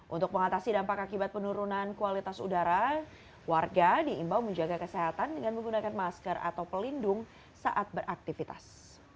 untuk mengatasi dampak akibat penurunan kualitas udara warga diimbau menjaga kesehatan dengan menggunakan masker atau pelindung saat beraktivitas